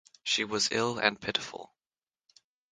She was ill and pitiful.